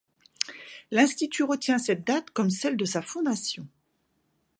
L'institut retient cette date comme celle de sa fondation.